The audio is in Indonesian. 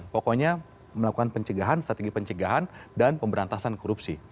pokoknya melakukan pencegahan strategi pencegahan dan pemberantasan korupsi